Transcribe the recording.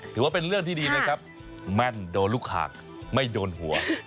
ถือว่าเป็นเรื่องที่ดีนะครับแม่นโดนลูกหากไม่โดนหัว